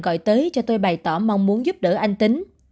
gọi tới cho tôi bày tỏ mong muốn giúp đỡ anh tính